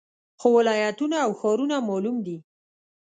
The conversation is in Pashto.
خو ولایتونه او ښارونه معلوم دي